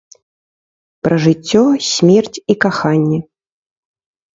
Пра жыццё, смерць і каханне.